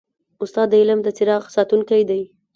استاد د علم د څراغ ساتونکی دی.